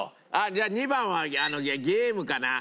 じゃあ２番はゲームかな？